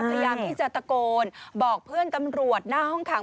พยายามที่จะตะโกนบอกเพื่อนตำรวจหน้าห้องขัง